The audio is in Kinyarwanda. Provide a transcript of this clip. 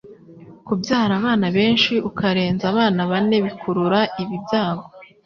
Kubyara abana benshi ukarenza abana bane bikurura ibi byago